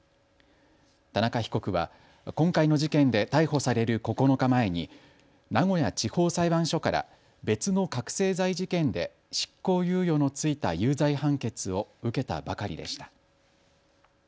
田中被告は今回の事件で逮捕される９日前に名古屋地方裁判所から別の覚醒剤事件で執行猶予の付いた有罪判決を受けたばかりでした。